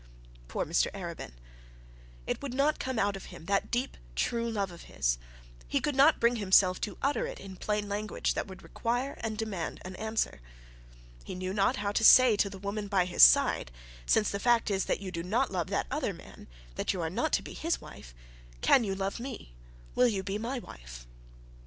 Poor Mr Arabin! It would not come out of him, that deep true love of his. He could not bring himself to utter it in plain language that would require and demand an answer. He knew not how to say to the woman at his side, 'Since the fact is that you do not love that other man, that you are not to be his wife, can you love me, will you be my wife?'